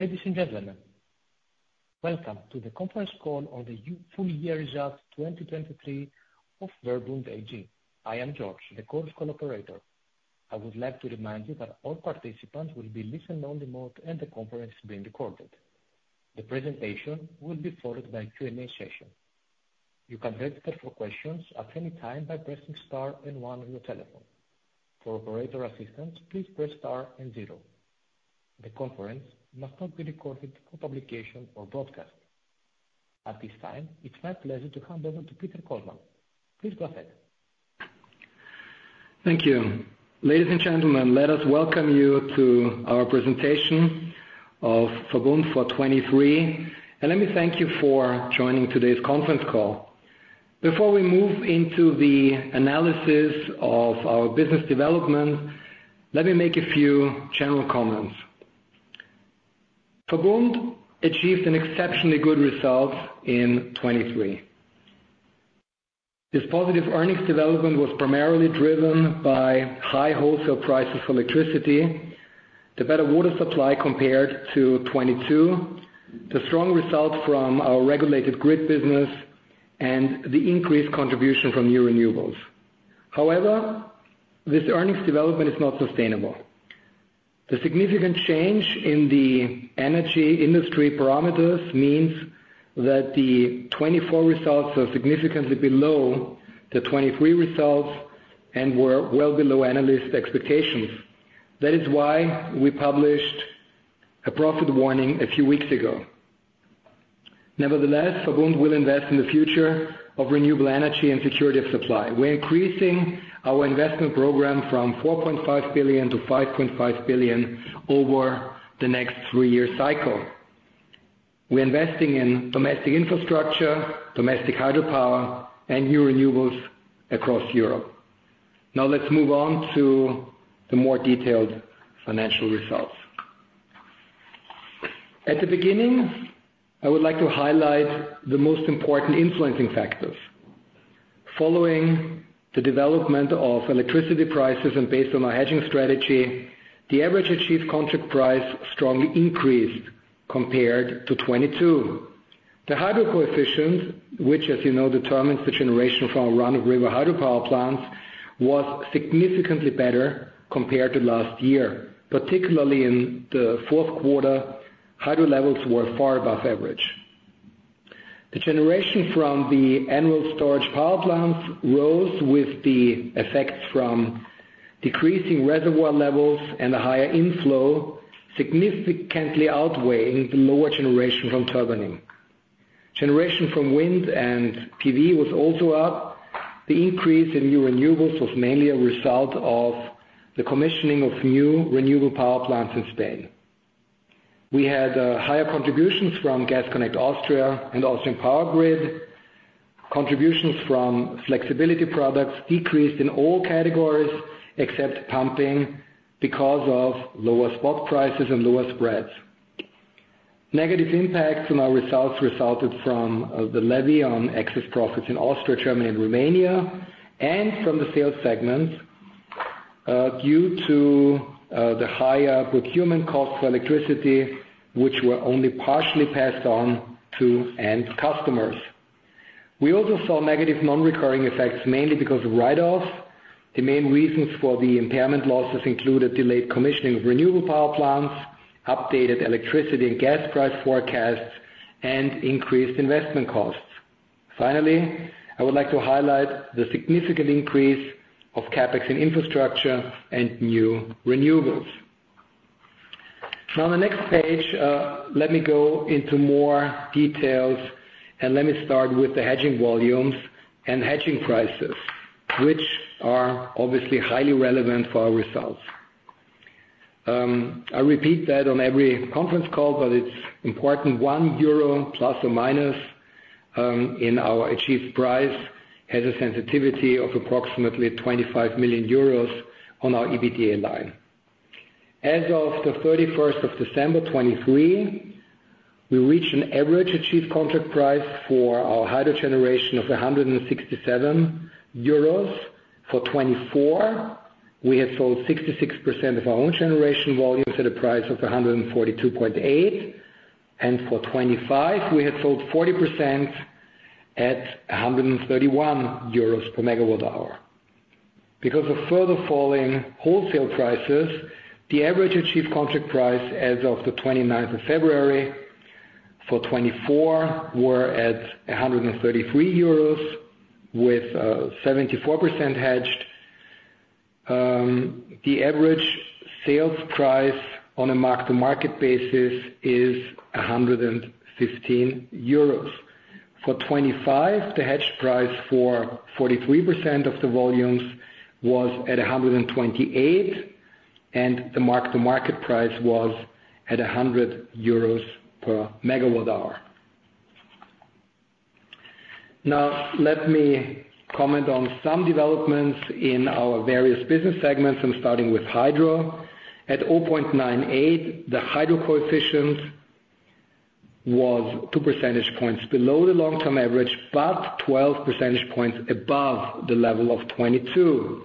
Ladies and gentlemen, welcome to the conference call on the Full Year Results 2023 of VERBUND AG. I am George, the conference operator. I would like to remind you that all participants will be in listen-only mode and the conference is being recorded. The presentation will be followed by a Q&A session. You can register for questions at any time by pressing star and one on your telephone. For operator assistance, please press star and zero. The conference must not be recorded for publication or broadcast. At this time, it's my pleasure to hand over to Peter Kollmann. Please go ahead. Thank you. Ladies and gentlemen, let us welcome you to our presentation of VERBUND for 2023, and let me thank you for joining today's conference call. Before we move into the analysis of our business development, let me make a few general comments. VERBUND achieved an exceptionally good result in 2023. This positive earnings development was primarily driven by high wholesale prices for electricity, the better water supply compared to 2022, the strong results from our regulated grid business, and the increased contribution from new renewables. However, this earnings development is not sustainable. The significant change in the energy industry parameters means that the 2024 results are significantly below the 2023 results and were well below analyst expectations. That is why we published a profit warning a few weeks ago. Nevertheless, VERBUND will invest in the future of renewable energy and security of supply. We're increasing our investment program from 4.5 billion to 5.5 billion over the next three-year cycle. We're investing in domestic infrastructure, domestic hydropower, and new renewables across Europe. Now let's move on to the more detailed financial results. At the beginning, I would like to highlight the most important influencing factors. Following the development of electricity prices and based on our hedging strategy, the average achieved contract price strongly increased compared to 2022. The hydro coefficient, which, as you know, determines the generation from a run-of-river hydropower plants, was significantly better compared to last year. Particularly in the fourth quarter, hydro levels were far above average. The generation from the annual storage power plants rose with the effects from decreasing reservoir levels and a higher inflow, significantly outweighing the lower generation from turbining. Generation from wind and PV was also up. The increase in new renewables was mainly a result of the commissioning of new renewable power plants in Spain. We had higher contributions from Gas Connect Austria and Austrian Power Grid. Contributions from flexibility products decreased in all categories except pumping because of lower spot prices and lower spreads. Negative impacts on our results resulted from the levy on excess profits in Austria, Germany, and Romania, and from the sales segments due to the higher procurement costs for electricity, which were only partially passed on to end customers. We also saw negative non-recurring effects mainly because of write-offs. The main reasons for the impairment losses included delayed commissioning of renewable power plants, updated electricity and gas price forecasts, and increased investment costs. Finally, I would like to highlight the significant increase of CapEx in infrastructure and new renewables. Now on the next page, let me go into more details, and let me start with the hedging volumes and hedging prices, which are obviously highly relevant for our results. I repeat that on every conference call, but it's important: 1 euro ± in our achieved price has a sensitivity of approximately 25 million euros on our EBITDA line. As of the 31st of December 2023, we reached an average achieved contract price for our hydro generation of 167 euros. For 2024, we had sold 66% of our own generation volumes at a price of 142.8, and for 2025, we had sold 40% at EUR 131 per MW-hour. Because of further falling wholesale prices, the average achieved contract price as of the 29th of February for 2024 were at 133 euros with 74% hedged. The average sales price on a mark-to-market basis is 115 euros. For 2025, the hedged price for 43% of the volumes was at 128 EUR, and the mark-to-market price was at 100 euros per MWh. Now let me comment on some developments in our various business segments. I'm starting with hydro. At 0.98, the hydro coefficient was two percentage points below the long-term average but 12 percentage points above the level of 2022.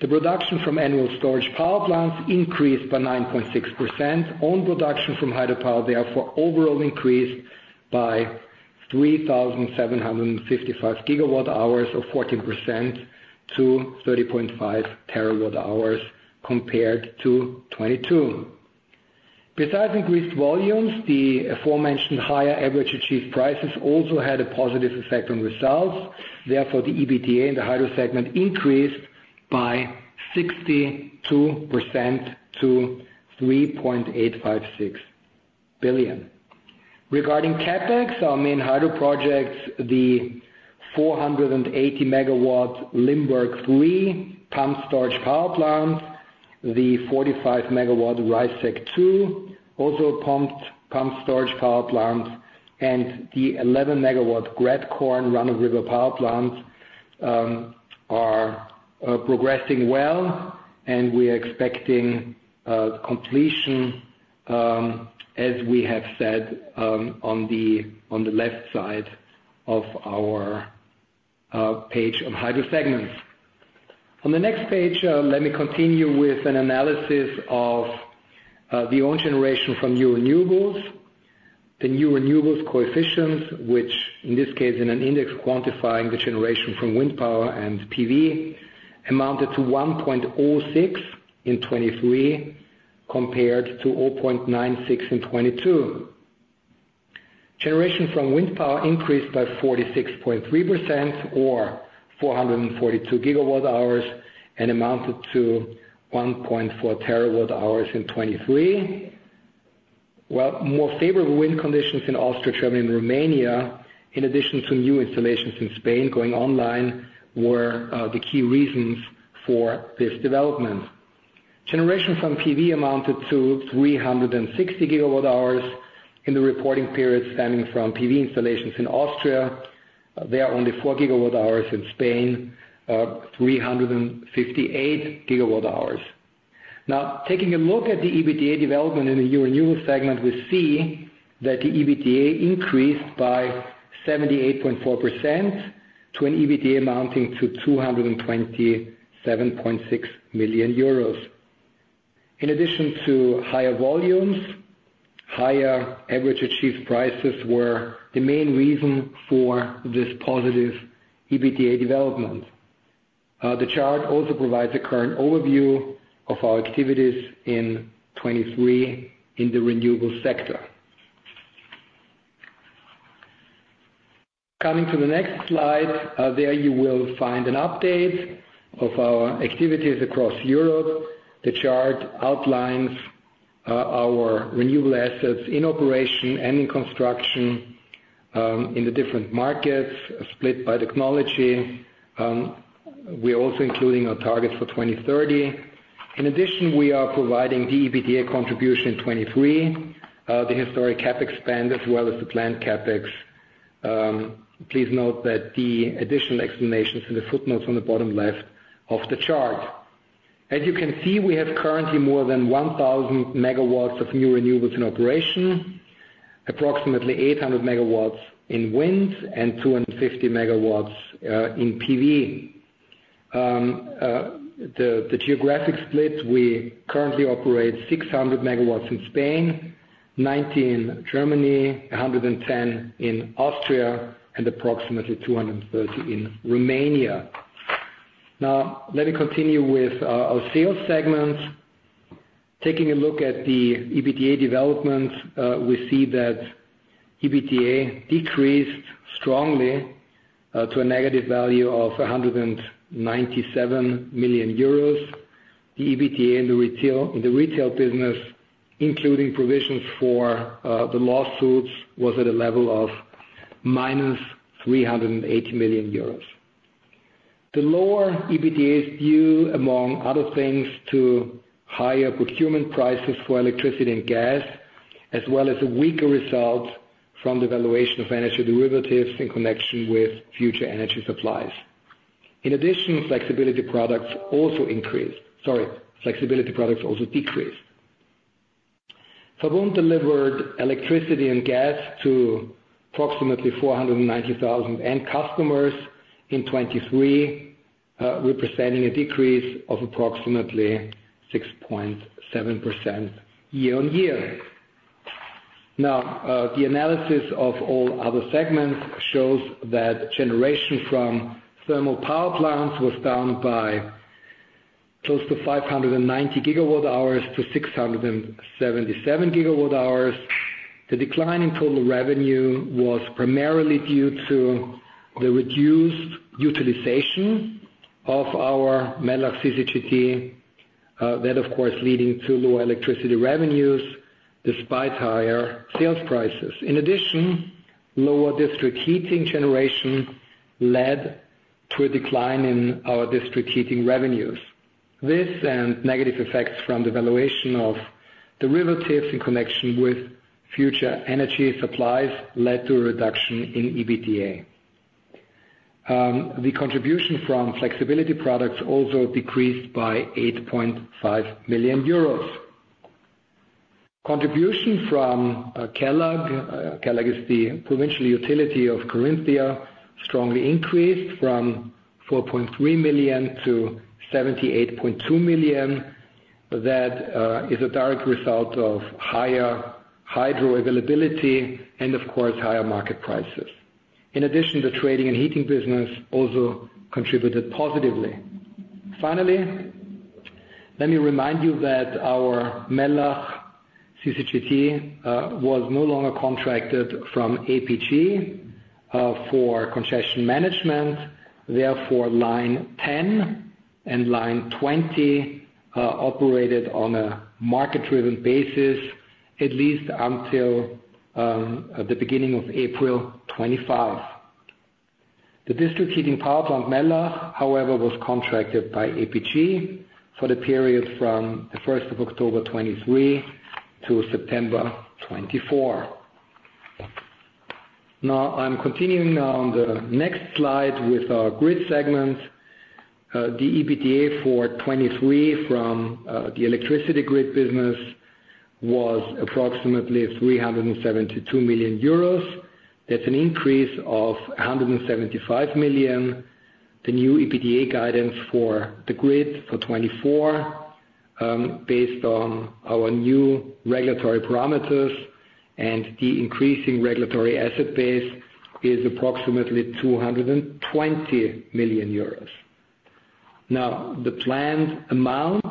The production from annual storage power plants increased by 9.6%. Own production from hydropower, therefore, overall increased by 3,755 GWh or 14% to 30.5 TWh compared to 2022. Besides increased volumes, the aforementioned higher average achieved prices also had a positive effect on results. Therefore, the EBITDA in the hydro segment increased by 62% to 3.856 billion. Regarding CapEx, our main hydro projects, the 480-MW Limberg III pumped storage power plants, the 45-MW Reißeck II, also pumped storage power plants, and the 11-MW Gratkorn run-of-river power plants are progressing well, and we are expecting completion, as we have said, on the left side of our page on hydro segments. On the next page, let me continue with an analysis of the own generation from new renewables. The new renewables coefficients, which in this case in an index quantifying the generation from wind power and PV, amounted to 1.06 in 2023 compared to 0.96 in 2022. Generation from wind power increased by 46.3% or 442 GWh and amounted to 1.4 TWh in 2023. Well, more favorable wind conditions in Austria, Germany, and Romania, in addition to new installations in Spain going online, were the key reasons for this development. Generation from PV amounted to 360 GWh in the reporting period stemming from PV installations in Austria. There are only 4 GWh in Spain, 358 GWh. Now, taking a look at the EBITDA development in the new renewables segment, we see that the EBITDA increased by 78.4% to an EBITDA amounting to 227.6 million euros. In addition to higher volumes, higher average achieved prices were the main reason for this positive EBITDA development. The chart also provides a current overview of our activities in 2023 in the renewable sector. Coming to the next slide, there you will find an update of our activities across Europe. The chart outlines our renewable assets in operation and in construction in the different markets, split by technology. We're also including our targets for 2030. In addition, we are providing the EBITDA contribution in 2023, the historic CapEx spend, as well as the planned CapEx. Please note that the additional explanations are in the footnotes on the bottom left of the chart. As you can see, we have currently more than 1,000 MWs of new renewables in operation, approximately 800 MWs in wind and 250 MWs in PV. The geographic split, we currently operate 600 MWs in Spain, 19 in Germany, 110 in Austria, and approximately 230 in Romania. Now let me continue with our sales segments. Taking a look at the EBITDA developments, we see that EBITDA decreased strongly to a negative value of 197 million euros. The EBITDA in the retail business, including provisions for the lawsuits, was at a level of minus 380 million euros. The lower EBITDA is due, among other things, to higher procurement prices for electricity and gas, as well as a weaker result from the valuation of energy derivatives in connection with future energy supplies. In addition, flexibility products also decreased. VERBUND delivered electricity and gas to approximately 490,000 end customers in 2023, representing a decrease of approximately 6.7% year-on-year. Now, the analysis of all other segments shows that generation from thermal power plants was down by close to 590 GWh to 677 GWh. The decline in total revenue was primarily due to the reduced utilization of our Mellach CCGT, that, of course, leading to lower electricity revenues despite higher sales prices. In addition, lower district heating generation led to a decline in our district heating revenues. This and negative effects from the valuation of derivatives in connection with future energy supplies led to a reduction in EBITDA. The contribution from flexibility products also decreased by 8.5 million euros. Contribution from Kelag, Kelag is the provincial utility of Carinthia, strongly increased from 4.3 million to 78.2 million. That is a direct result of higher hydro availability and, of course, higher market prices. In addition, the trading and heating business also contributed positively. Finally, let me remind you that our Mellach CCGT was no longer contracted from APG for congestion management. Therefore, Line 10 and Line 20 operated on a market-driven basis at least until the beginning of April 2025. The district heating power plant Mellach, however, was contracted by APG for the period from the First of October 2023 to September 2024. Now I'm continuing on the next slide with our grid segments. The EBITDA for 2023 from the electricity grid business was approximately 372 million euros. That's an increase of 175 million. The new EBITDA guidance for the grid for 2024, based on our new regulatory parameters and the increasing regulatory asset base, is approximately 220 million euros. Now, the planned amount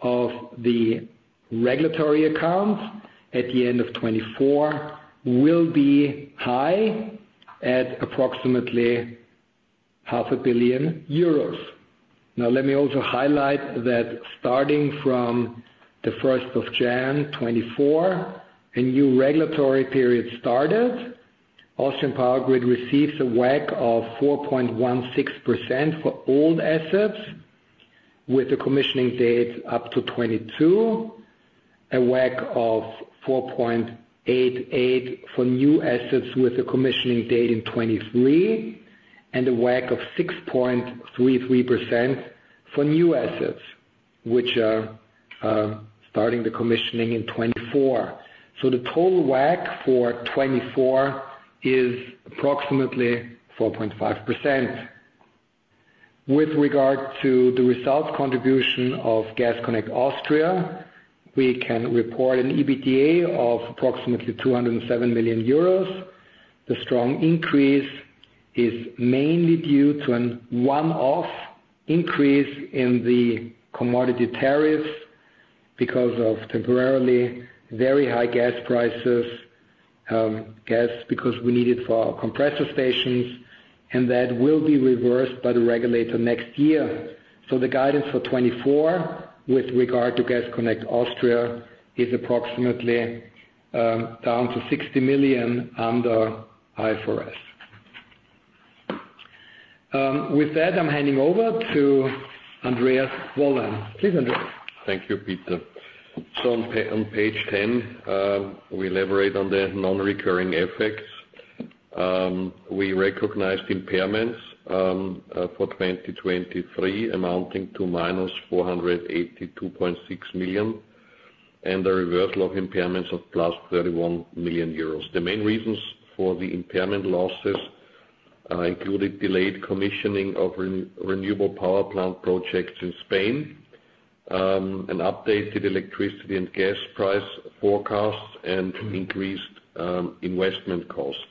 of the regulatory account at the end of 2024 will be high at approximately 500 million euros. Now let me also highlight that starting from the 1st of January 2024, a new regulatory period started. Austrian Power Grid receives a WACC of 4.16% for old assets with a commissioning date up to 2022, a WACC of 4.88% for new assets with a commissioning date in 2023, and a WACC of 6.33% for new assets, which are starting the commissioning in 2024. So the total WACC for 2024 is approximately 4.5%. With regard to the results contribution of Gas Connect Austria, we can report an EBITDA of approximately 207 million euros. The strong increase is mainly due to a one-off increase in the commodity tariffs because of temporarily very high gas prices because we need it for our compressor stations, and that will be reversed by the regulator next year. So the guidance for 2024 with regard to Gas Connect Austria is approximately down to 60 million under IFRS. With that, I'm handing over to Andreas Wollein. Please, Andreas. Thank you, Peter. So on page 10, we elaborate on the non-recurring effects. We recognized impairments for 2023 amounting to -482.6 million and a reversal of impairments of +31 million euros. The main reasons for the impairment losses included delayed commissioning of renewable power plant projects in Spain, an updated electricity and gas price forecast, and increased investment costs.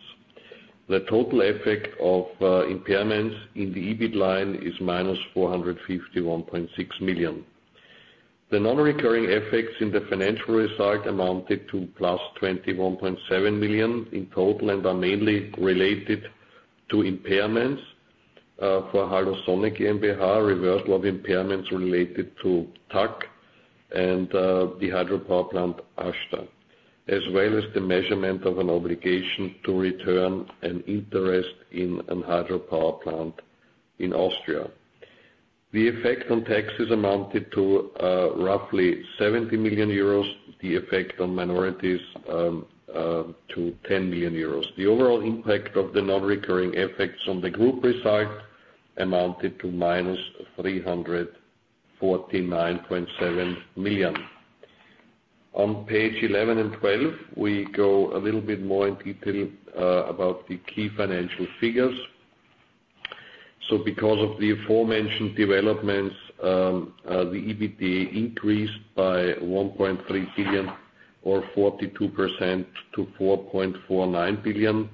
The total effect of impairments in the EBIT line is -451.6 million. The non-recurring effects in the financial result amounted to +21.7 million in total and are mainly related to impairments for Hallo Solar GmbH, reversal of impairments related to TAG and the hydropower plant Aschach, as well as the measurement of an obligation to return an interest in a hydropower plant in Austria. The effect on taxes amounted to roughly 70 million euros, the effect on minorities to 10 million euros. The overall impact of the non-recurring effects on the group result amounted to -349.7 million. On page 11 and 12, we go a little bit more in detail about the key financial figures. So because of the aforementioned developments, the EBITDA increased by 1.3 billion or 42% to 4.49 billion.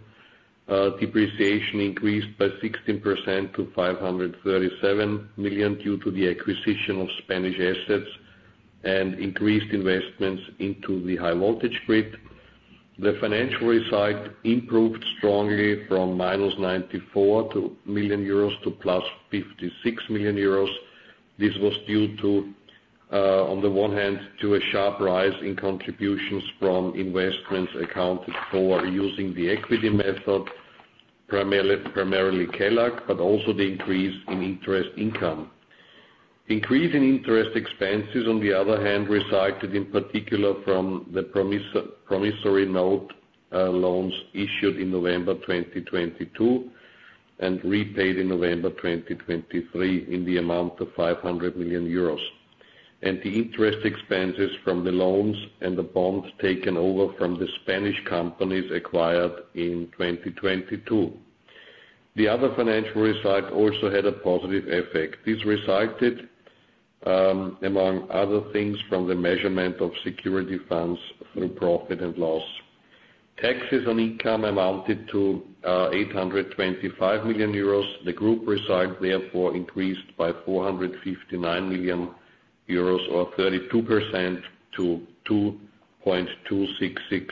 Depreciation increased by 16% to 537 million due to the acquisition of Spanish assets and increased investments into the high-voltage grid. The financial result improved strongly from -94 million euros to +56 million euros. This was due to, on the one hand, a sharp rise in contributions from investments accounted for using the equity method, primarily Kelag, but also the increase in interest income. Increase in interest expenses, on the other hand, resulted in particular from the promissory note loans issued in November 2022 and repaid in November 2023 in the amount of 500 million euros and the interest expenses from the loans and the bonds taken over from the Spanish companies acquired in 2022. The other financial result also had a positive effect. This resulted, among other things, from the measurement of security funds through profit and loss. Taxes on income amounted to 825 million euros. The group result, therefore, increased by 459 million euros or 32% to 2.266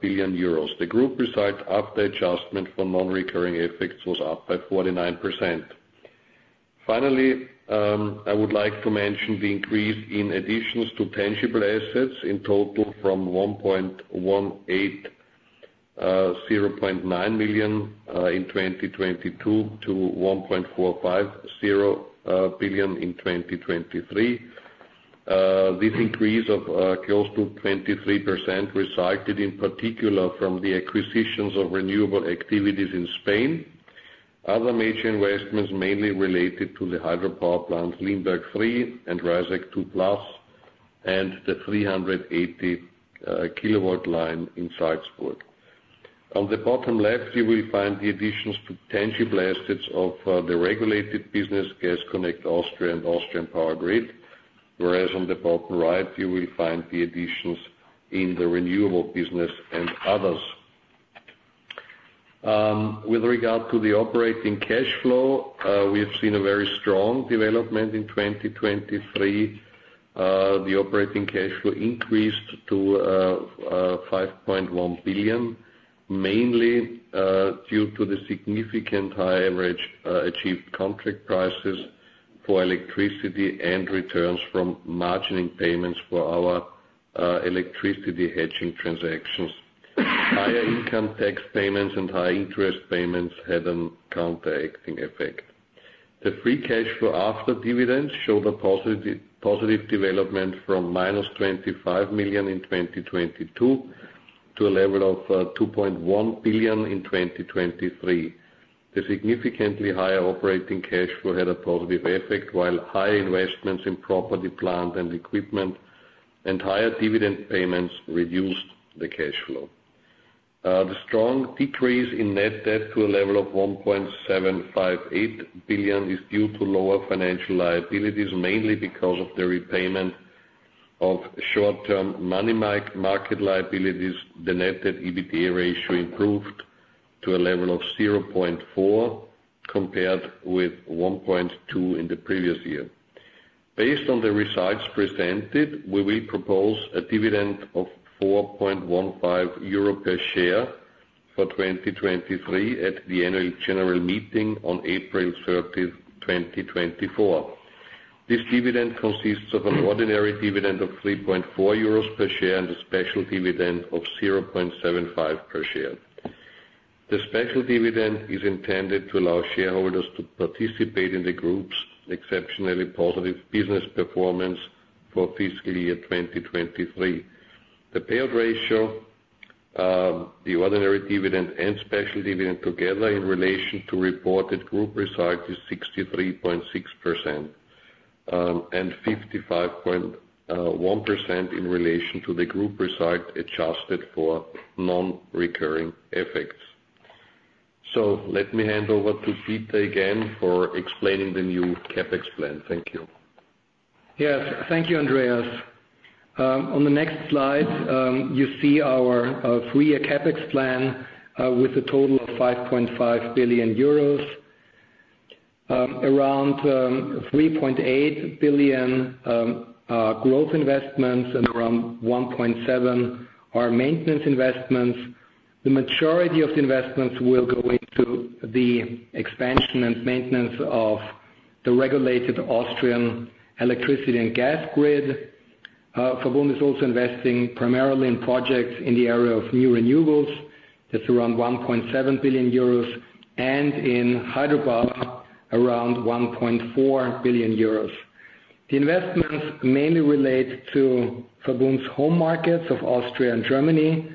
billion euros. The group result, after adjustment for non-recurring effects, was up by 49%. Finally, I would like to mention the increase in additions to tangible assets in total from 1,180.9 million in 2022 to 1.450 billion in 2023. This increase of close to 23% resulted, in particular, from the acquisitions of renewable activities in Spain, other major investments mainly related to the hydropower plants Limberg III and Reißeck II plus the 380 kV line in Salzburg. On the bottom left, you will find the additions to tangible assets of the regulated business Gas Connect Austria and Austrian Power Grid, whereas on the bottom right, you will find the additions in the renewable business and others. With regard to the operating cash flow, we have seen a very strong development in 2023. The operating cash flow increased to 5.1 billion, mainly due to the significant high average achieved contract prices for electricity and returns from margining payments for our electricity hedging transactions. Higher income tax payments and higher interest payments had a counteracting effect. The free cash flow after dividends showed a positive development from minus 25 million in 2022 to a level of 2.1 billion in 2023. The significantly higher operating cash flow had a positive effect, while higher investments in property, plant, and equipment and higher dividend payments reduced the cash flow. The strong decrease in net debt to a level of 1.758 billion is due to lower financial liabilities, mainly because of the repayment of short-term money market liabilities. The net debt/EBITDA ratio improved to a level of 0.4 compared with 1.2 in the previous year. Based on the results presented, we will propose a dividend of 4.15 euro per share for 2023 at the annual general meeting on April 30th, 2024. This dividend consists of an ordinary dividend of 3.4 euros per share and a special dividend of 0.75 per share. The special dividend is intended to allow shareholders to participate in the group's exceptionally positive business performance for fiscal year 2023. The payout ratio, the ordinary dividend and special dividend together in relation to reported group result is 63.6% and 55.1% in relation to the group result adjusted for non-recurring effects. So let me hand over to Peter again for explaining the new CapEx plan. Thank you. Yes. Thank you, Andreas. On the next slide, you see our three-year CapEx plan with a total of 5.5 billion euros, around 3.8 billion growth investments, and around 1.7 billion are maintenance investments. The majority of the investments will go into the expansion and maintenance of the regulated Austrian electricity and gas grid. VERBUND is also investing primarily in projects in the area of new renewables. That's around 1.7 billion euros and in hydropower around 1.4 billion euros. The investments mainly relate to VERBUND's home markets of Austria and Germany.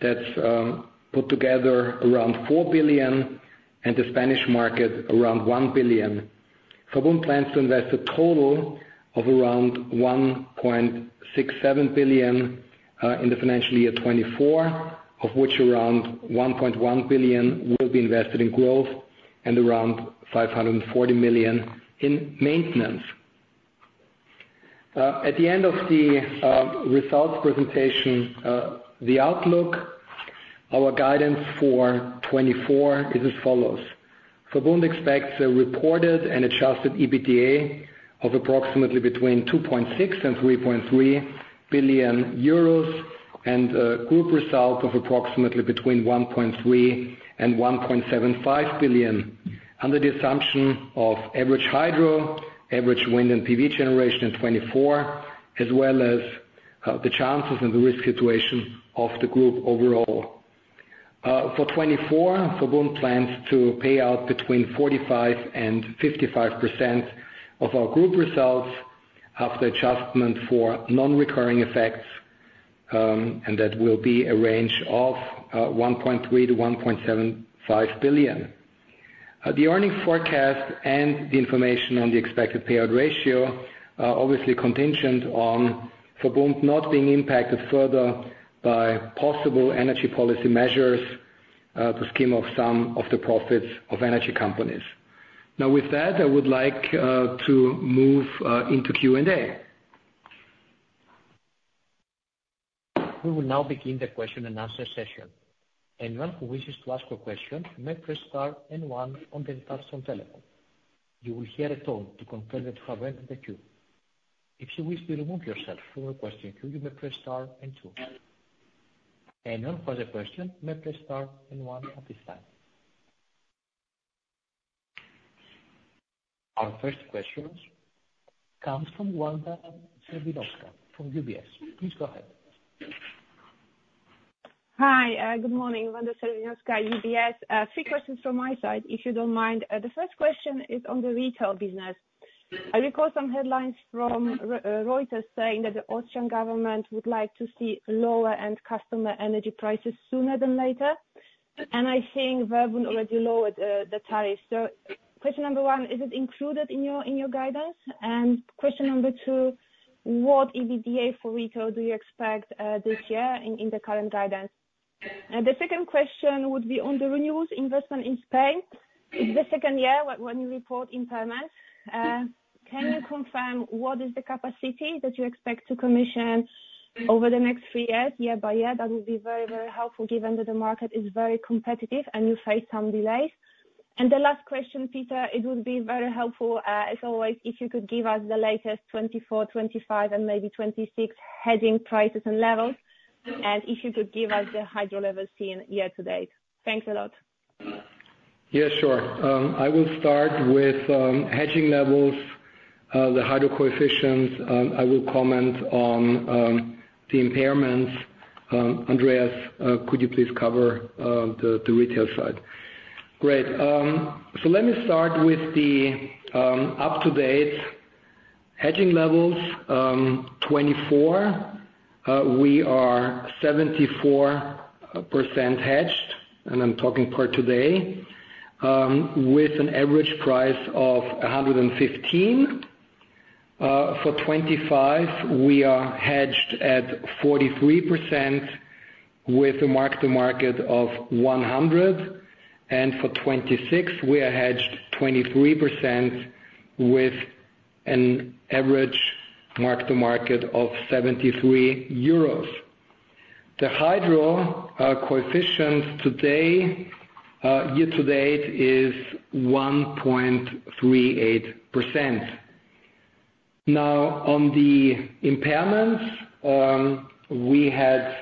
That's put together around 4 billion and the Spanish market around 1 billion. VERBUND plans to invest a total of around 1.67 billion in the financial year 2024, of which around 1.1 billion will be invested in growth and around 540 million in maintenance. At the end of the results presentation, the outlook, our guidance for 2024, is as follows. VERBUND expects a reported and adjusted EBITDA of approximately between 2.6 billion and 3.3 billion euros and a group result of approximately between 1.3 billion and 1.75 billion under the assumption of average hydro, average wind, and PV generation in 2024, as well as the chances and the risk situation of the group overall. For 2024, VERBUND plans to pay out between 45% and 55% of our group results after adjustment for non-recurring effects, and that will be a range of 1.3-1.75 billion. The earnings forecast and the information on the expected payout ratio are obviously contingent on VERBUND not being impacted further by possible energy policy measures to scheme off some of the profits of energy companies. Now, with that, I would like to move into Q&A. We will now begin the question and answer session. Anyone who wishes to ask a question may press star and one on the Touch-Tone telephone. You will hear a tone to confirm that you have entered the queue. If you wish to remove yourself from the question queue, you may press star and two. Anyone who has a question may press star and one at this time. Our first question comes from Wanda Serwinowska from UBS. Please go ahead. Hi. Good morning, Wanda Serwinowska, UBS. Three questions from my side, if you don't mind. The first question is on the retail business. I recall some headlines from Reuters saying that the Austrian government would like to see lower end customer energy prices sooner than later, and I think VERBUND already lowered the tariffs. Question number one, is it included in your guidance? And question number two, what EBITDA for retail do you expect this year in the current guidance? And the second question would be on the renewables investment in Spain. It's the second year when you report impairments. Can you confirm what is the capacity that you expect to commission over the next 3 years, year by year? That would be very, very helpful given that the market is very competitive and you face some delays. And the last question, Peter, it would be very helpful, as always, if you could give us the latest 2024, 2025, and maybe 2026 hedging prices and levels and if you could give us the hydro levels seen year to date. Thanks a lot. Yes, sure. I will start with hedging levels, the hydro coefficients. I will comment on the impairments. Andreas, could you please cover the retail side? Great. So let me start with the up-to-date hedging levels. 2024, we are 74% hedged, and I'm talking per today, with an average price of 115. For 2025, we are hedged at 43% with a mark-to-market of 100. And for 2026, we are hedged 23% with an average mark-to-market of 73 euros. The hydro coefficient today, year to date, is 1.38%. Now, on the impairments, we had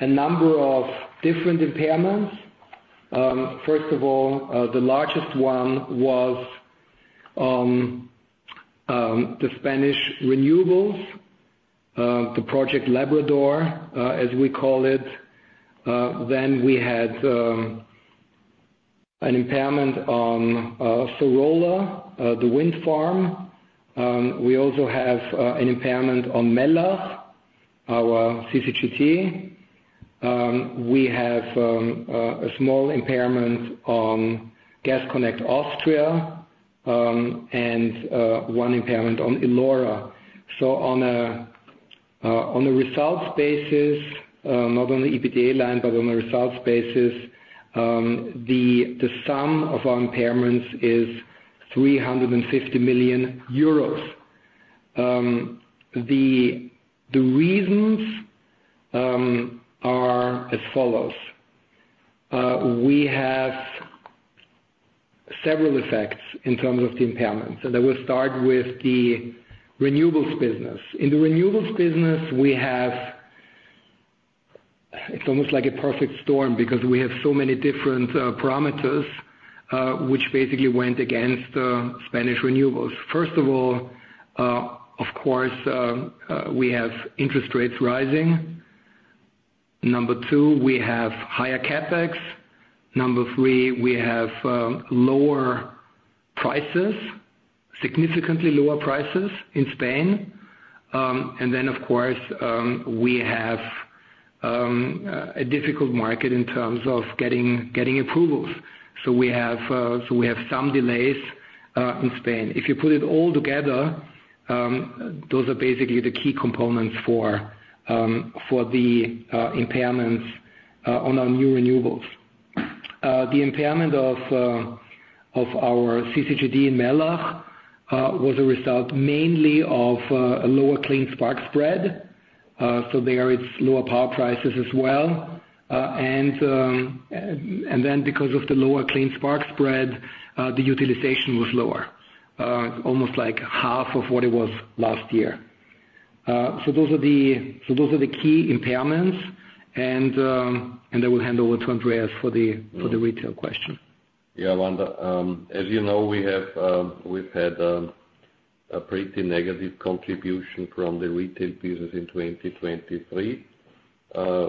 a number of different impairments. First of all, the largest one was the Spanish renewables, the Project Labrador, as we call it. Then we had an impairment on Loma de la Higuera, the wind farm. We also have an impairment on Mellach, our CCGT. We have a small impairment on Gas Connect Austria and one impairment on Illora. So on a results basis, not on the EBITDA line, but on a results basis, the sum of our impairments is 350 million euros. The reasons are as follows. We have several effects in terms of the impairments. I will start with the renewables business. In the renewables business, we have, it's almost like a perfect storm because we have so many different parameters which basically went against the Spanish renewables. First of all, of course, we have interest rates rising. Number two, we have higher CapEx. Number three, we have lower prices, significantly lower prices in Spain. And then, of course, we have a difficult market in terms of getting approvals. We have some delays in Spain. If you put it all together, those are basically the key components for the impairments on our new renewables. The impairment of our CCGT in Mellach was a result mainly of a lower clean spark spread. There, it's lower power prices as well. And then, because of the lower clean spark spread, the utilization was lower, almost like half of what it was last year. So those are the key impairments. And I will hand over to Andreas for the retail question. Yeah, Wanda. As you know, we've had a pretty negative contribution from the retail business in 2023,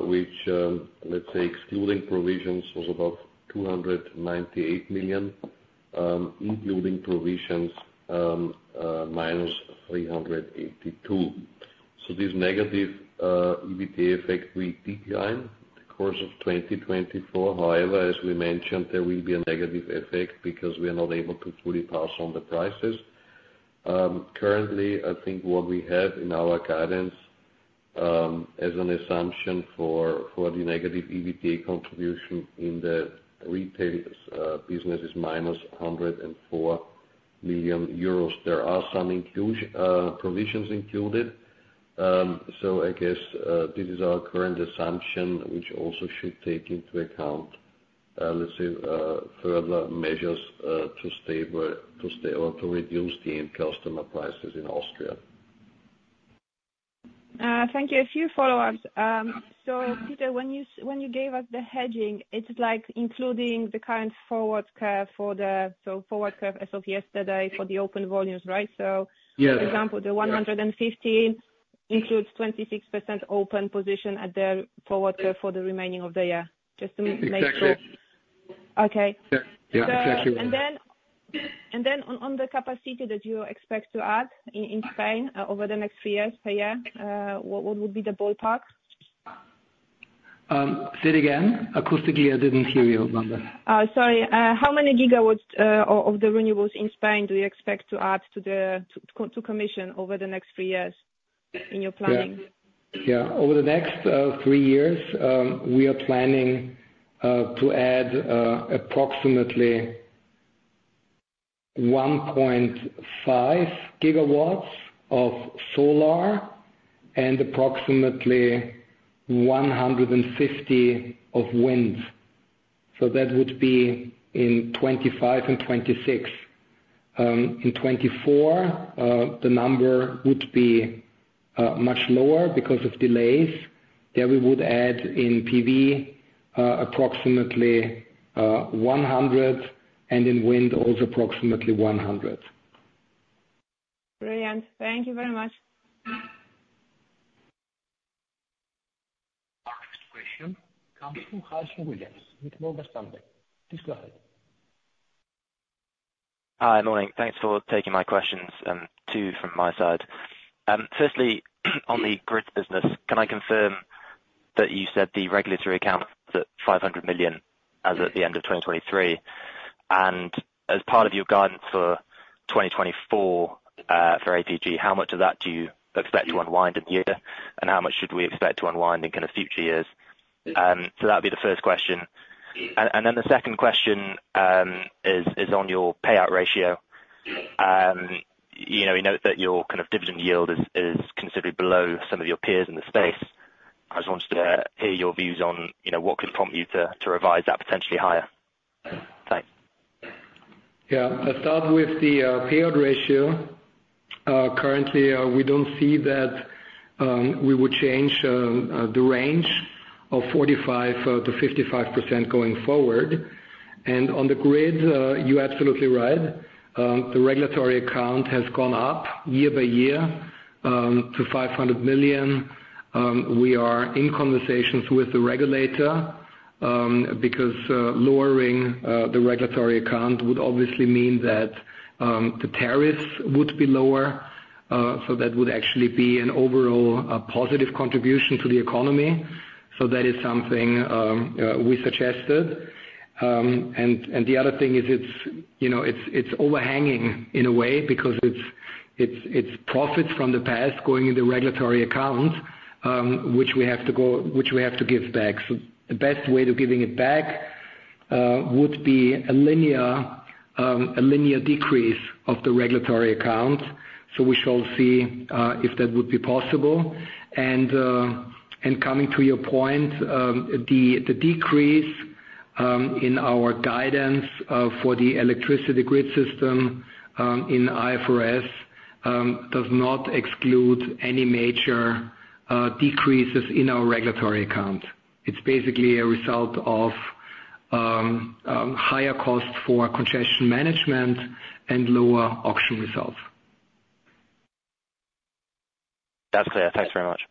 which, let's say, excluding provisions, was about 298 million, including provisions minus 382 million. So this negative EBITDA effect, we'll see the decline over the course of 2024. However, as we mentioned, there will be a negative effect because we are not able to fully pass on the prices. Currently, I think what we have in our guidance as an assumption for the negative EBITDA contribution in the retail business is minus 104 million euros. There are some provisions included. So I guess this is our current assumption, which also should take into account, let's say, further measures to stay or to reduce the end customer prices in Austria. Thank you. A few follow-ups. So, Peter, when you gave us the hedging, it's like including the current forward curve for the so forward curve as of yesterday for the open volumes, right? So, for example, the 115 includes 26% open position at their forward curve for the remaining of the year, just to make sure. Exactly. Okay. Yeah. Exactly. And then on the capacity that you expect to add in Spain over the next three years per year, what would be the ballpark? Say it again. Acoustically, I didn't hear you, Wanda. Sorry. How many gigawatts of the renewables in Spain do you expect to add to commission over the next three years in your planning? Yeah. Over the next three years, we are planning to add approximately 1.5 GW of solar and approximately 150 of wind. So that would be in 2025 and 2026. In 2024, the number would be much lower because of delays. There, we would add in PV approximately 100 and in wind also approximately 100. Brilliant. Thank you very much. Our next question comes from Harrison Williams with Morgan Stanley. Please go ahead. Hi. Morning. Thanks for taking my questions, too, from my side. Firstly, on the grid business, can I confirm that you said the regulatory account is at 500 million as at the end of 2023? And as part of your guidance for 2024 for APG, how much of that do you expect to unwind in the year? And how much should we expect to unwind in kind of future years? So that would be the first question. Then the second question is on your payout ratio. We note that your kind of dividend yield is considered below some of your peers in the space. I just wanted to hear your views on what could prompt you to revise that potentially higher. Thanks. Yeah. I'll start with the payout ratio. Currently, we don't see that we would change the range of 45%-55% going forward. On the grid, you're absolutely right. The regulatory account has gone up year by year to 500 million. We are in conversations with the regulator because lowering the regulatory account would obviously mean that the tariffs would be lower. That would actually be an overall positive contribution to the economy. That is something we suggested. And the other thing is it's overhanging in a way because it's profits from the past going in the regulatory account, which we have to go which we have to give back. So the best way to giving it back would be a linear decrease of the regulatory account. So we shall see if that would be possible. And coming to your point, the decrease in our guidance for the electricity grid system in IFRS does not exclude any major decreases in our regulatory account. It's basically a result of higher cost for congestion management and lower auction results. That's clear. Thanks very much.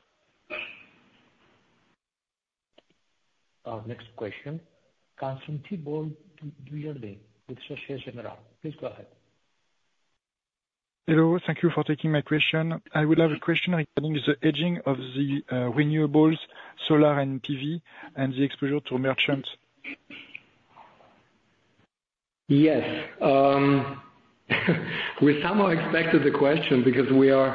Our next question. Harry Wyburd with Exane BNP Paribas. Please go ahead. Hello. Thank you for taking my question. I would love a question regarding the hedging of the renewables, solar, and PV, and the exposure to merchants. Yes. We somehow expected the question because we're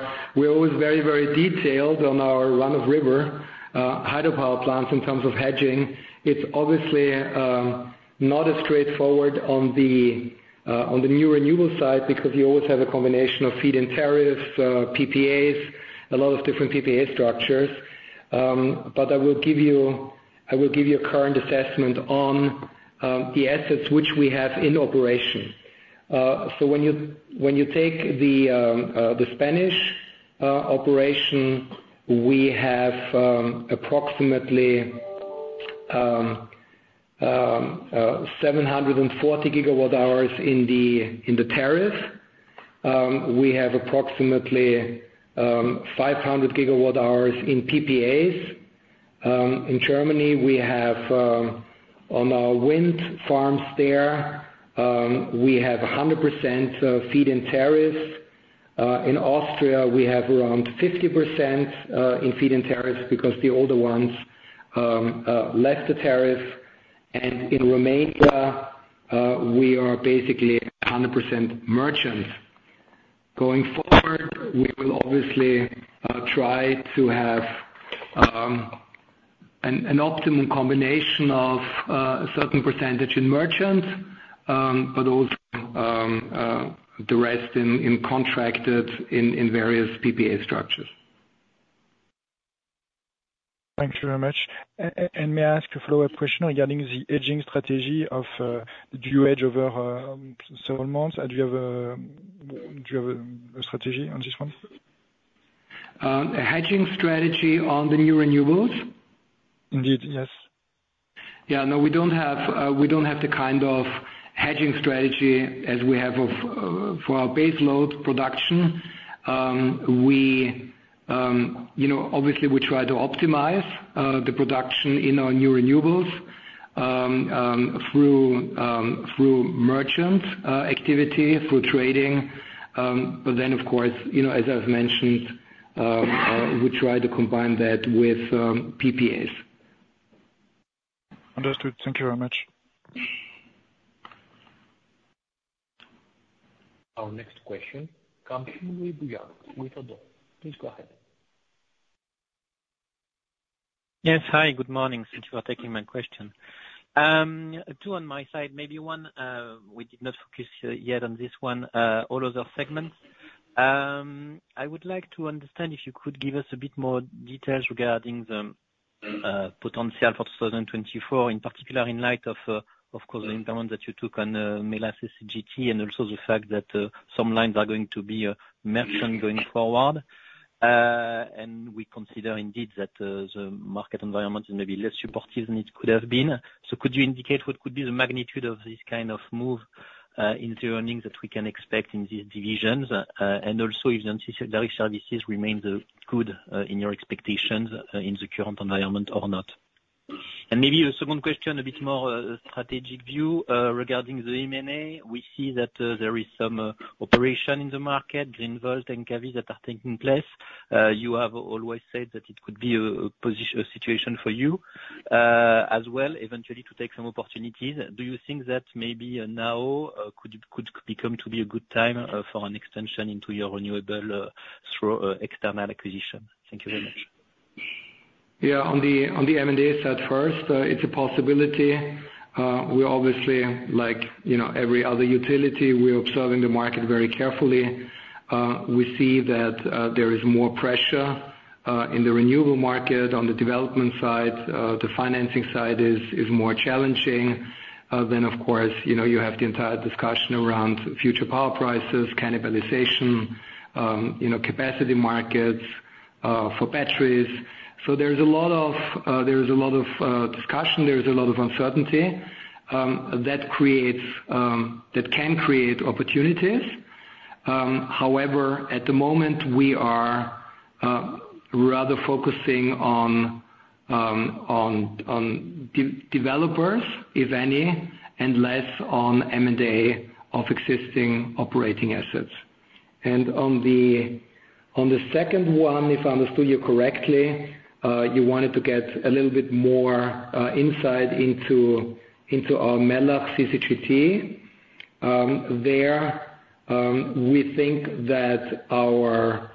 always very, very detailed on our run-of-river hydropower plants in terms of hedging. It's obviously not as straightforward on the new renewable side because you always have a combination of feed-in tariffs, PPAs, a lot of different PPA structures. But I will give you a current assessment on the assets which we have in operation. So when you take the Spanish operation, we have approximately 740 GWh in the tariff. We have approximately 500 GWh in PPAs. In Germany, we have on our wind farms there, we have 100% feed-in tariffs. In Austria, we have around 50% in feed-in tariffs because the older ones left the tariffs. And in Romania, we are basically 100% merchants. Going forward, we will obviously try to have an optimum combination of a certain percentage in merchants but also the rest contracted in various PPA structures. Thanks very much. And may I ask a follow-up question regarding the hedging strategy of dual hedge over several months? Do you have a strategy on this one? A hedging strategy on the new renewables? Indeed. Yes. Yeah. No, we don't have we don't have the kind of hedging strategy as we have for our base load production. Obviously, we try to optimize the production in our new renewables through merchant activity, through trading. But then, of course, as I've mentioned, we try to combine that with PPAs. Understood. Thank you very much. Our next question comes from Louis Boujard with ODDO BHF. Please go ahead. Yes. Hi. Good morning. Thank you for taking my question. Two on my side. Maybe one we did not focus yet on this one, all other segments. I would like to understand if you could give us a bit more details regarding the potential for 2024, in particular in light of, of course, the impairment that you took on Mellach CCGT and also the fact that some lines are going to be merchant going forward. And we consider indeed that the market environment is maybe less supportive than it could have been. So could you indicate what could be the magnitude of this kind of move in the earnings that we can expect in these divisions? And also if the necessary services remain good in your expectations in the current environment or not. And maybe a second question, a bit more strategic view. Regarding the M&A, we see that there is some operation in the market, Greenvolt and KKR, that are taking place. You have always said that it could be a situation for you as well, eventually, to take some opportunities. Do you think that maybe now could become to be a good time for an extension into your renewable through external acquisition? Thank you very much. Yeah. On the M&A side first, it's a possibility. We obviously, like every other utility, we're observing the market very carefully. We see that there is more pressure in the renewable market on the development side. The financing side is more challenging than, of course, you have the entire discussion around future power prices, cannibalization, capacity markets for batteries. So there is a lot of discussion. There is a lot of uncertainty that can create opportunities. However, at the moment, we are rather focusing on developers, if any, and less on M&A of existing operating assets. On the second one, if I understood you correctly, you wanted to get a little bit more insight into our Mellach CCGT. There, we think that our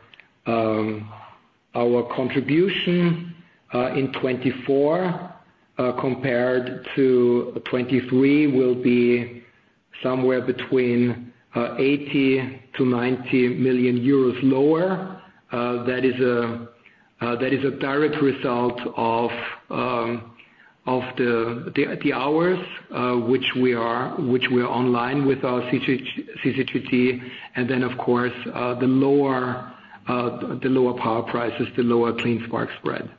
contribution in 2024 compared to 2023 will be somewhere between 80 million to 90 million euros lower. That is a direct result of the hours which we are online with our CCGT. And then, of course, the lower power prices, the lower clean spark spread.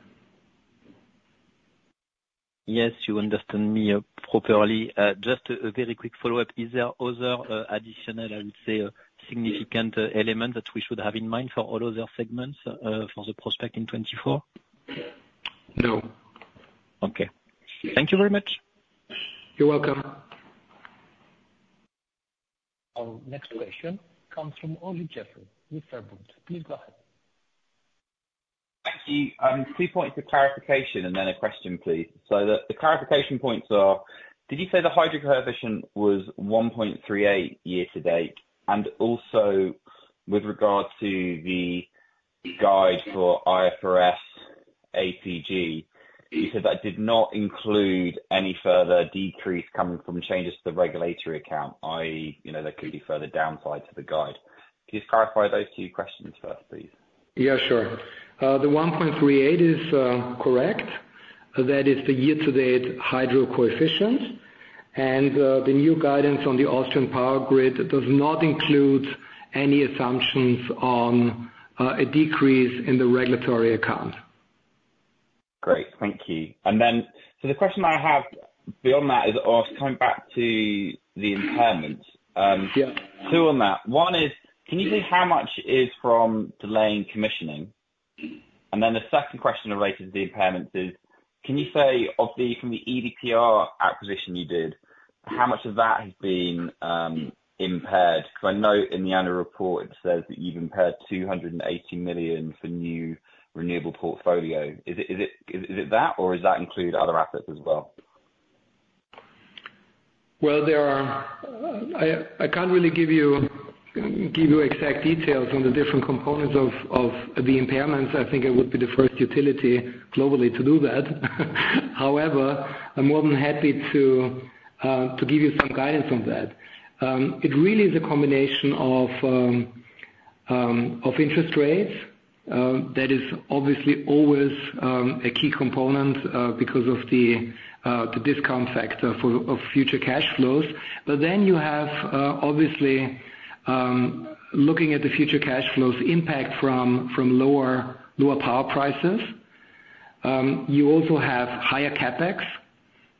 Yes. You understand me properly. Just a very quick follow-up. Is there other additional, I would say, significant element that we should have in mind for all other segments for the prospect in 2024? No. Okay. Thank you very much. You're welcome. Our next question comes from Olly Jeffery with Deutsche Bank. Please go ahead. Thank you. Three points of clarification and then a question, please. So the clarification points are: did you say the hydro revision was 1.38 year to date? And also, with regard to the guide for IFRS APG, you said that did not include any further decrease coming from changes to the regulatory account, i.e., there could be further downside to the guide. Could you clarify those two questions first, please? Yeah. Sure. The 1.38 is correct. That is the year-to-date hydro coefficient. And the new guidance on the Austrian Power Grid does not include any assumptions on a decrease in the regulatory account. Great. Thank you. And then so the question I have beyond that is coming back to the impairments. Two on that. One is, can you say how much is from delaying commissioning? And then the second question related to the impairments is, can you say, from the EDPR acquisition you did, how much of that has been impaired? Because I know in the annual report, it says that you've impaired 280 million for new renewable portfolio. Is it that? Or does that include other assets as well? Well, there—I can't really give you exact details on the different components of the impairments. I think it would be the first utility globally to do that. However, I'm more than happy to give you some guidance on that. It really is a combination of interest rates. That is obviously always a key component because of the discount factor of future cash flows. But then you have, obviously, looking at the future cash flows impact from lower power prices. You also have higher CAPEX.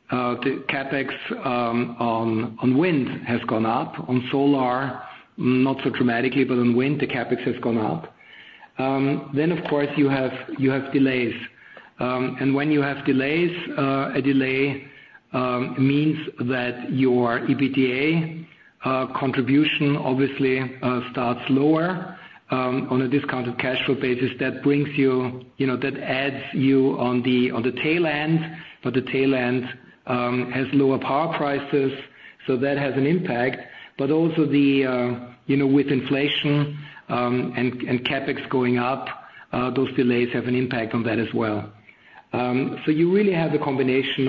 The CAPEX on wind has gone up. On solar, not so dramatically. But on wind, the CAPEX has gone up. Then, of course, you have delays. When you have delays, a delay means that your EBITDA contribution, obviously, starts lower on a discounted cash flow basis. That brings you that adds you on the tail end. But the tail end has lower power prices. So that has an impact. But also, with inflation and CAPEX going up, those delays have an impact on that as well. So you really have a combination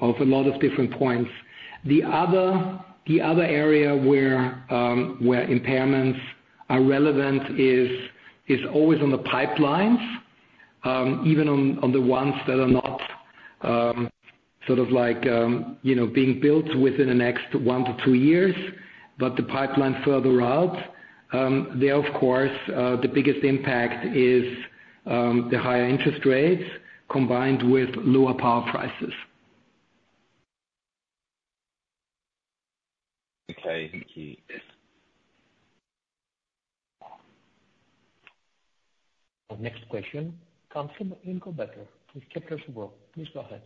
of a lot of different points. The other area where impairments are relevant is always on the pipelines, even on the ones that are not sort of being built within the next one-two years but the pipeline further out. There, of course, the biggest impact is the higher interest rates combined with lower power prices. Okay. Thank you. Our next question comes from Ingo Becker with Kepler Cheuvreux. Please go ahead.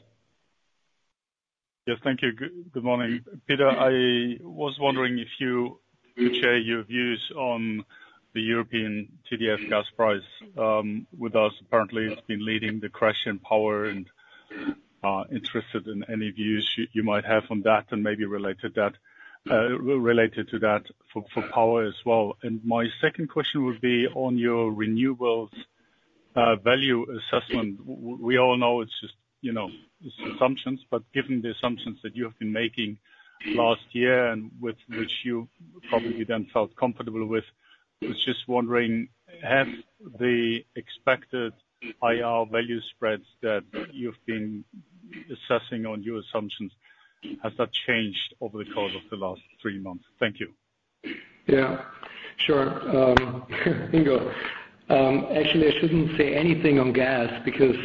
Yes. Thank you. Good morning. Peter, I was wondering if you could share your views on the European TTF gas price. With us, apparently, it's been leading the gas on power and interested in any views you might have on that and maybe related to that for power as well. And my second question would be on your renewables value assessment. We all know it's just assumptions. But given the assumptions that you have been making last year and with which you probably then felt comfortable with, I was just wondering, have the expected IR value spreads that you've been assessing on your assumptions, has that changed over the course of the last three months? Thank you. Yeah. Sure. Ingo, actually, I shouldn't say anything on gas because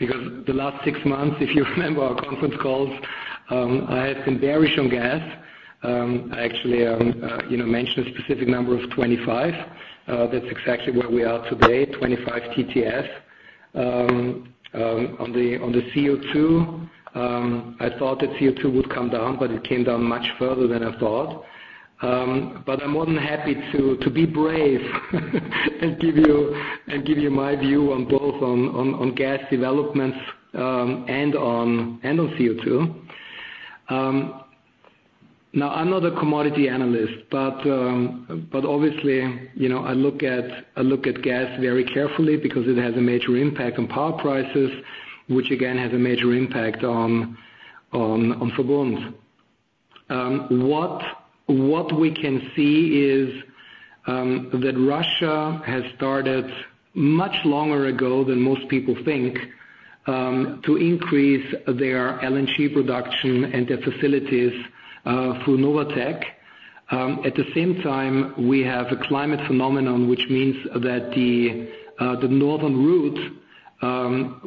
the last six months, if you remember our conference calls, I had been bearish on gas. I actually mentioned a specific number of 25. That's exactly where we are today, 25 TTF. On the CO2, I thought that CO2 would come down. But it came down much further than I thought. But I'm more than happy to be brave and give you my view on both on gas developments and on CO2. Now, I'm not a commodity analyst. But obviously, I look at gas very carefully because it has a major impact on power prices, which, again, has a major impact on VERBUND. What we can see is that Russia has started much longer ago than most people think to increase their LNG production and their facilities through Novatek. At the same time, we have a climate phenomenon, which means that the northern route,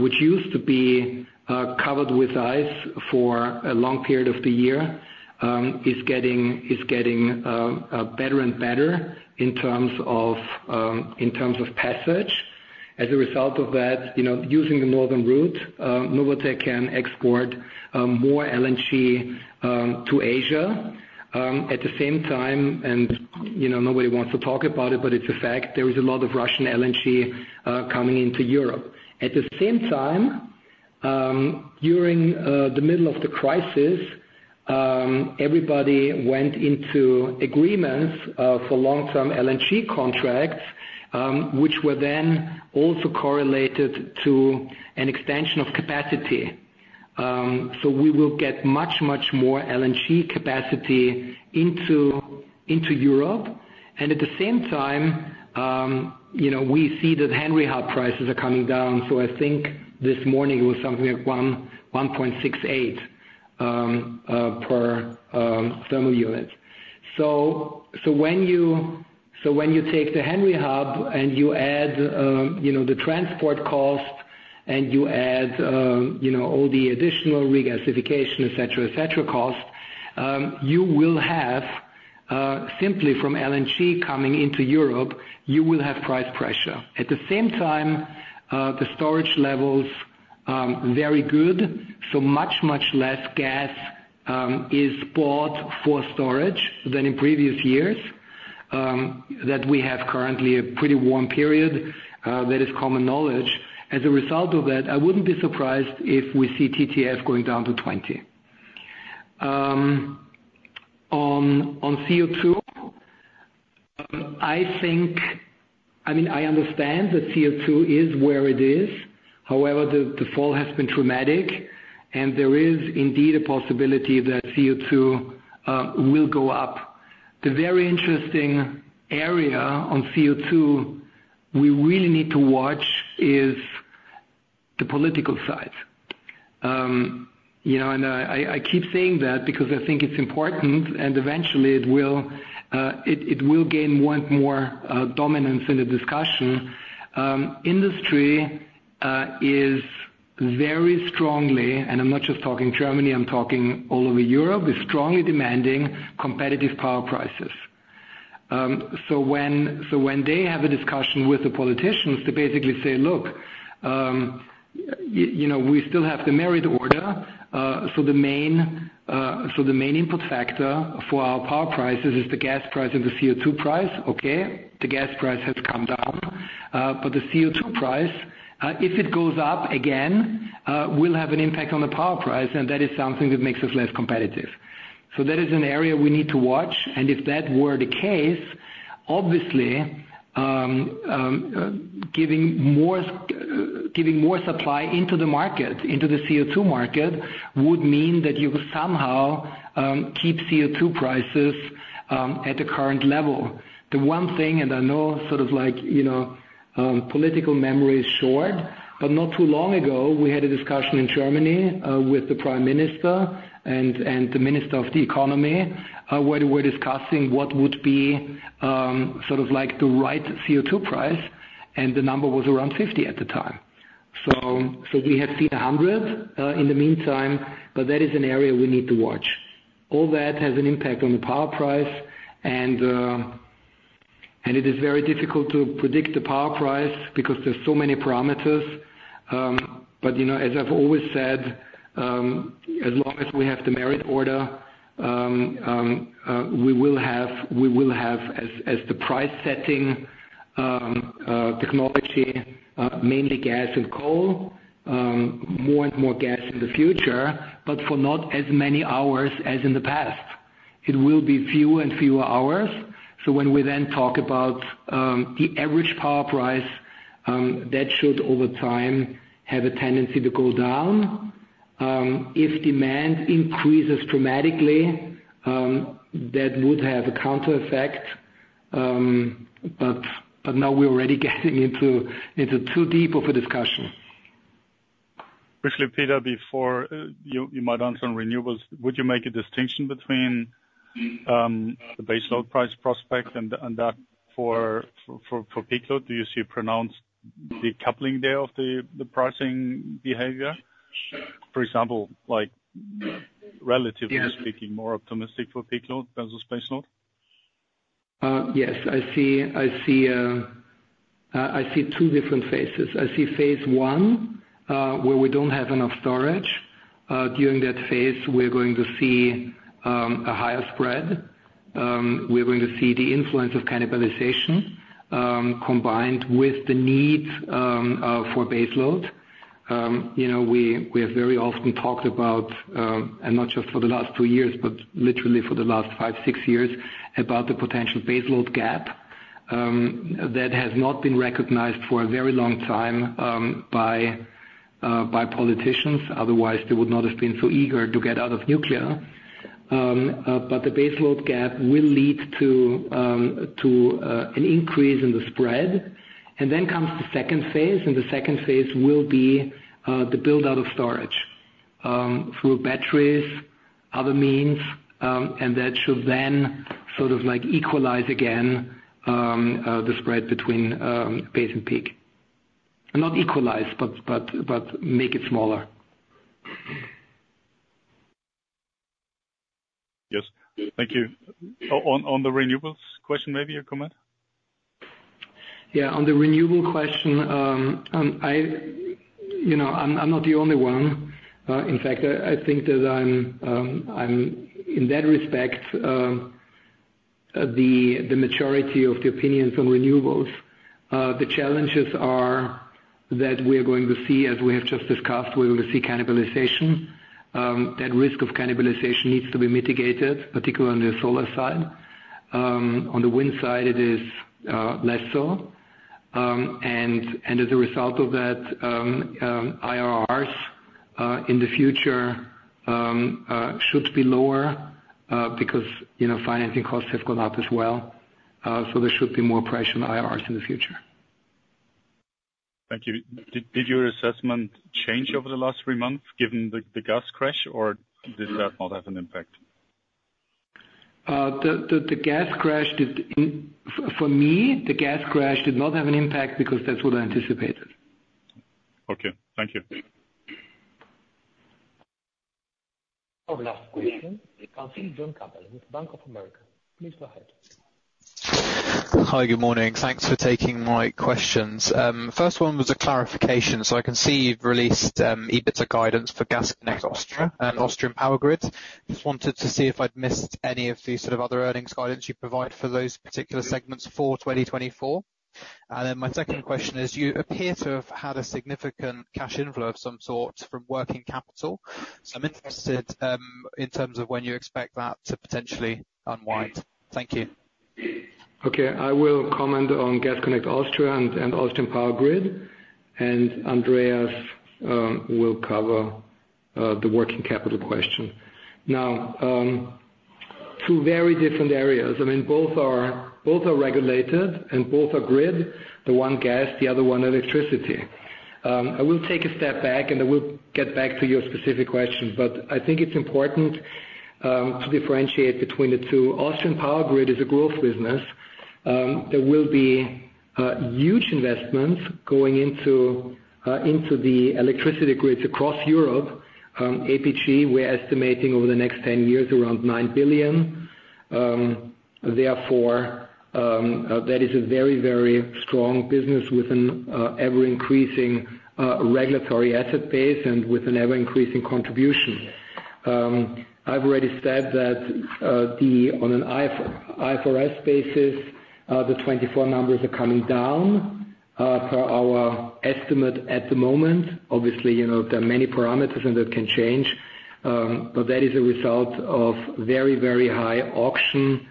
which used to be covered with ice for a long period of the year, is getting better and better in terms of passage. As a result of that, using the northern route, Novatek can export more LNG to Asia. At the same time, nobody wants to talk about it. But it's a fact. There is a lot of Russian LNG coming into Europe. At the same time, during the middle of the crisis, everybody went into agreements for long-term LNG contracts, which were then also correlated to an extension of capacity. So we will get much, much more LNG capacity into Europe. And at the same time, we see that Henry Hub prices are coming down. So I think this morning, it was something like $1.68 per thermal unit. So when you take the Henry Hub and you add the transport cost and you add all the additional regasification, etc., etc., cost, you will have simply from LNG coming into Europe, you will have price pressure. At the same time, the storage levels are very good. So much, much less gas is bought for storage than in previous years. That we have currently a pretty warm period. That is common knowledge. As a result of that, I wouldn't be surprised if we see TTF going down to 20. On CO2, I think I mean, I understand that CO2 is where it is. However, the fall has been dramatic. There is indeed a possibility that CO2 will go up. The very interesting area on CO2 we really need to watch is the political side. I keep saying that because I think it's important. Eventually, it will gain more and more dominance in the discussion. Industry is very strongly, and I'm not just talking Germany. I'm talking all over Europe, is strongly demanding competitive power prices. So when they have a discussion with the politicians, they basically say, "Look, we still have the merit order. So the main input factor for our power prices is the gas price and the CO2 price. Okay. The gas price has come down. But the CO2 price, if it goes up again, will have an impact on the power price. And that is something that makes us less competitive." So that is an area we need to watch. And if that were the case, obviously, giving more supply into the market, into the CO2 market, would mean that you could somehow keep CO2 prices at the current level. The one thing and I know sort of political memory is short. But not too long ago, we had a discussion in Germany with the Prime Minister and the Minister of the Economy where they were discussing what would be sort of the right CO2 price. And the number was around 50 at the time. So we had seen 100 in the meantime. But that is an area we need to watch. All that has an impact on the power price. And it is very difficult to predict the power price because there's so many parameters. But as I've always said, as long as we have the merit order, we will have as the price-setting technology, mainly gas and coal, more and more gas in the future but for not as many hours as in the past. It will be fewer and fewer hours. So when we then talk about the average power price, that should, over time, have a tendency to go down. If demand increases dramatically, that would have a countereffect. But now, we're already getting into too deep of a discussion. Briefly, Peter, before you might answer on renewables, would you make a distinction between the base load price prospect and that for peak load? Do you see a pronounced decoupling there of the pricing behavior? For example, relatively speaking, more optimistic for peak load versus base load? Yes. I see two different phases. I see phase one where we don't have enough storage. During that phase, we're going to see a higher spread. We're going to see the influence of cannibalization combined with the need for base load. We have very often talked about and not just for the last two years but literally for the last five, six years about the potential base load gap that has not been recognized for a very long time by politicians. Otherwise, they would not have been so eager to get out of nuclear. But the base load gap will lead to an increase in the spread. And then comes the second phase. And the second phase will be the build-out of storage through batteries, other means. And that should then sort of equalize again the spread between base and peak not equalize but make it smaller. Yes. Thank you. On the renewables question, maybe a comment? Yeah. On the renewable question, I'm not the only one. In fact, I think that I'm, in that respect, the majority of the opinions on renewables. The challenges are that we are going to see, as we have just discussed, we're going to see cannibalization. That risk of cannibalization needs to be mitigated, particularly on the solar side. On the wind side, it is less so. And as a result of that, IRRs in the future should be lower because financing costs have gone up as well. So there should be more pressure on IRRs in the future. Thank you. Did your assessment change over the last three months given the gas crash? Or did that not have an impact? For me, the gas crash did not have an impact because that's what I anticipated. Okay. Thank you. Our last question comes from John Campbell with Bank of America. Please go ahead. Hi. Good morning. Thanks for taking my questions. First one was a clarification. So I can see you've released EBITDA guidance for Gas Connect Austria and Austrian Power Grid. Just wanted to see if I'd missed any of the sort of other earnings guidance you provide for those particular segments for 2024. And then my second question is, you appear to have had a significant cash inflow of some sort from working capital. So I'm interested in terms of when you expect that to potentially unwind. Thank you. Okay. I will comment on Gas Connect Austria and Austrian Power Grid. And Andreas will cover the working capital question. Now, two very different areas. I mean, both are regulated and both are grid, the one gas, the other one electricity. I will take a step back. And I will get back to your specific question. But I think it's important to differentiate between the two. Austrian Power Grid is a growth business. There will be huge investments going into the electricity grids across Europe. APG, we're estimating over the next 10 years around 9 billion. Therefore, that is a very, very strong business with an ever-increasing regulatory asset base and with an ever-increasing contribution. I've already said that on an IFRS basis, the 2024 numbers are coming down per our estimate at the moment. Obviously, there are many parameters. That can change. But that is a result of very, very high auction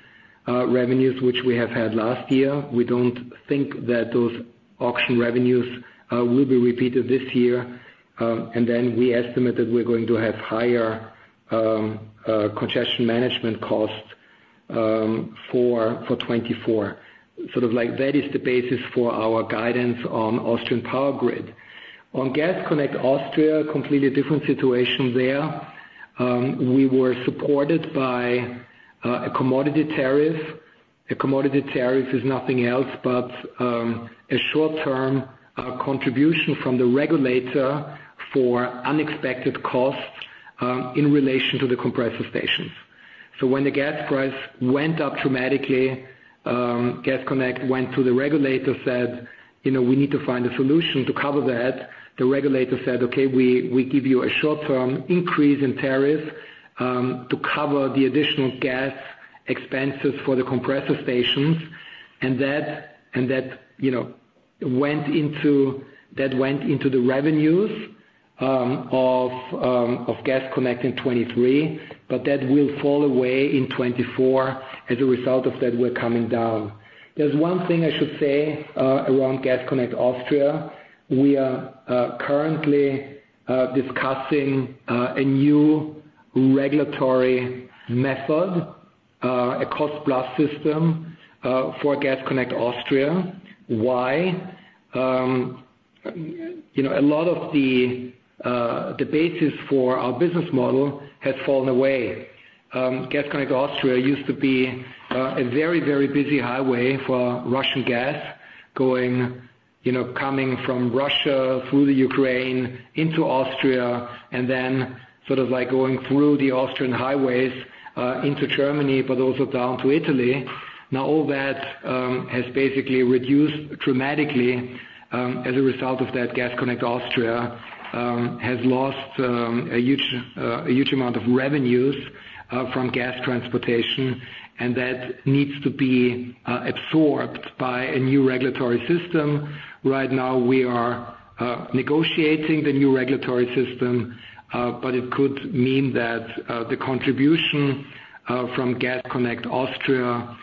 revenues, which we have had last year. We don't think that those auction revenues will be repeated this year. Then we estimate that we're going to have higher congestion management costs for 2024. Sort of, that is the basis for our guidance on Austrian Power Grid. On Gas Connect Austria, completely different situation there. We were supported by a commodity tariff. A commodity tariff is nothing else but a short-term contribution from the regulator for unexpected costs in relation to the compressor stations. So when the gas price went up dramatically, Gas Connect Austria went to the regulator, said, "We need to find a solution to cover that." The regulator said, "Okay. We give you a short-term increase in tariffs to cover the additional gas expenses for the compressor stations." That went into the revenues of Gas Connect Austria in 2023. That will fall away in 2024. As a result of that, we're coming down. There's one thing I should say around Gas Connect Austria. We are currently discussing a new regulatory method, a cost-plus system for Gas Connect Austria. Why? A lot of the basis for our business model has fallen away. Connect Austria used to be a very, very busy highway for Russian gas coming from Russia through the Ukraine into Austria and then sort of going through the Austrian highways into Germany but also down to Italy. Now, all that has basically reduced dramatically. As a result of that, Gas Connect Austria has lost a huge amount of revenues from gas transportation. That needs to be absorbed by a new regulatory system. Right now, we are negotiating the new regulatory system. But it could mean that the contribution from Gas Connect Austria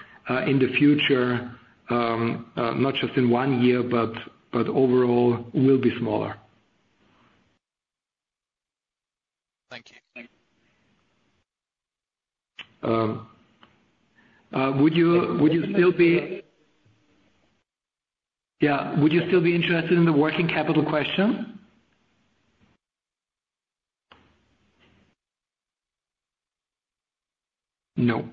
in the future, not just in one year but overall, will be smaller. Thank you. Would you still be interested in the working capital question? No.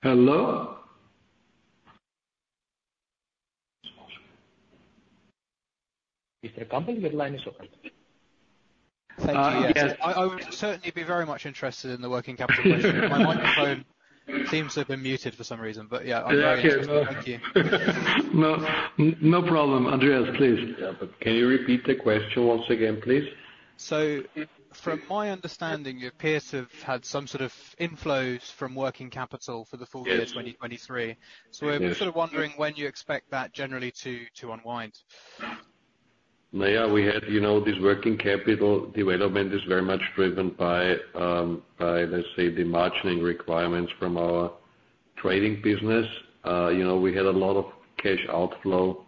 Hello? Is there a company? Your line is open. Thank you. Yes. I would certainly be very much interested in the working capital question.My microphone seems to have been muted for some reason. But yeah. I'm very interested. Thank you. No. No problem. Andreas, please. Yeah. But can you repeat the question once again, please? So from my understanding, you appear to have had some sort of inflows from working capital for the full year 2023. So we're sort of wondering when you expect that generally to unwind. Now, yeah. This working capital development is very much driven by, let's say, the margining requirements from our trading business. We had a lot of cash outflow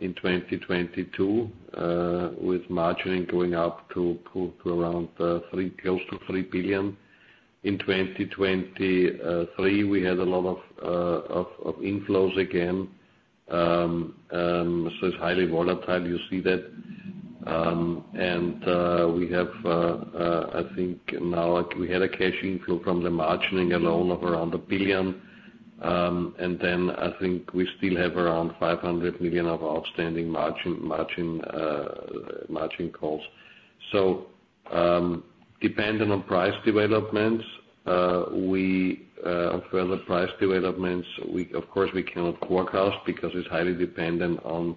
in 2022 with margining going up to around close to 3 billion. In 2023, we had a lot of inflows again. So it's highly volatile. You see that. And we have, I think, now we had a cash inflow from the margining alone of around 1 billion. And then I think we still have around 500 million of outstanding margin calls. So dependent on price developments or further price developments, of course, we cannot forecast because it's highly dependent on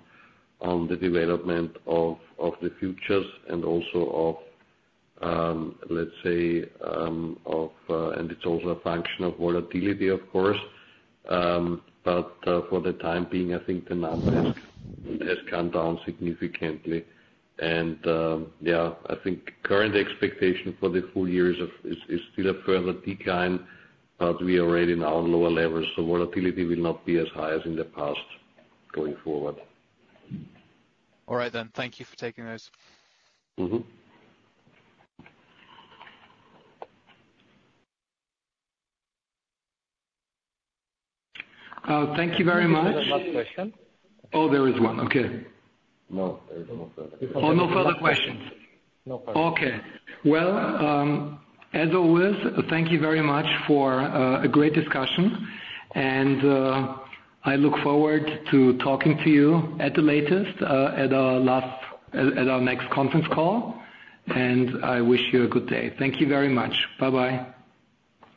the development of the futures and also of, let's say, and it's also a function of volatility, of course. But for the time being, I think the number has come down significantly. And yeah. I think current expectation for the full year is still a further decline. But we are already now on lower levels. So volatility will not be as high as in the past going forward. All right then. Thank you for taking those. Thank you very much. Is there one last question? Oh. There is one. Okay. No. There is no further questions. Oh. No further questions. No further questions. Okay. Well, as always, thank you very much for a great discussion. I look forward to talking to you at the latest at our next conference call. I wish you a good day. Thank you very much. Bye-bye.